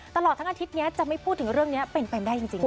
ตลอดทั้งอาทิตย์นี้จะไม่พูดถึงเรื่องนี้เป็นไปได้จริง